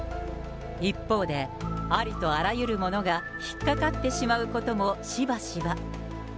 一方で、ありとあらゆるものが引っかかってしまうこともしばしば。